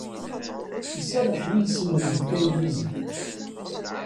Iserreḥ yiles-nnem deg tanglizit.